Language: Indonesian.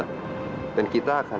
dan kita akan bisa diselamatkan